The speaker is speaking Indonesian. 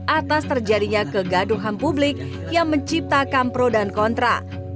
atas terjadinya kegaduhan publik yang menciptakan pro dan kontra